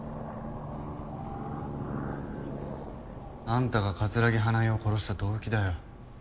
あんたが木花恵を殺した動機だよ。